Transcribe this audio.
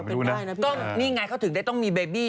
ถูกต้อง